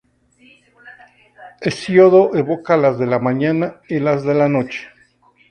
Hesíodo evoca las de la mañana y las de la noche.